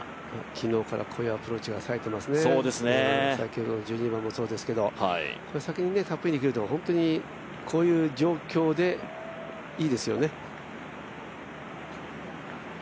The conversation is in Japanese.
昨日からこういうアプローチがさえていますね、さっきの１２番もそうですけど、先にタップインできるとこういう状況で、いいですよね。